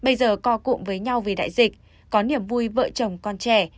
bây giờ co cụm với nhau vì đại dịch có niềm vui vợ chồng con trẻ